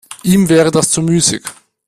Ihm wäre das zu müßig.